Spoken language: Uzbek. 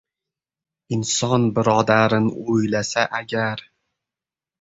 Inson birodarin o‘ylasa agar